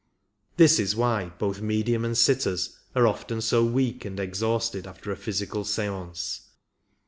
This is why both medium and sitters are often so weak and exhausted after a physical seance.